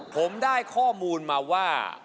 ผมได้ข้อมูลมาว่า